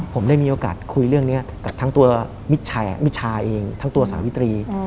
ผมได้มีโอกาสคุยเรื่องนี้กับทั้งตัวมิชาเองทั้งตัวสาวิตรี